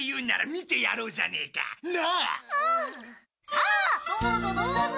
さあどうぞどうぞ！